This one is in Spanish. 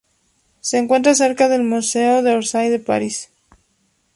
Se encuentra cerca del Museo de Orsay de París.